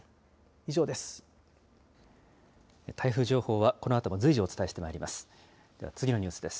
以上です。